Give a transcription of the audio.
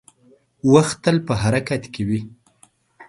• وخت تل په حرکت کې وي.